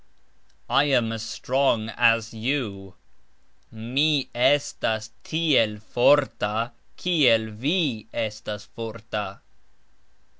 I am "as" strong "as" you, Mi estas "tiel" forta, "kiel" vi (estas forta).